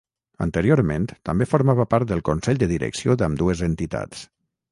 Anteriorment també formava part del Consell de Direcció d'ambdues entitats.